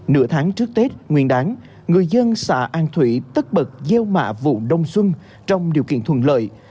nửa tháng trước tết nguyên đáng người dân xã an thủy tất bật gieo mạ vụ đông xuân trong điều kiện thuận lợi